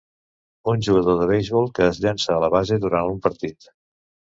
Un jugador de beisbol que es llança a la base durant un partit